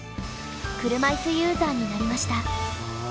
車いすユーザーになりました。